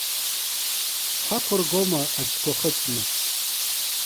Ҳақәыргома аӡқәа хыҵны.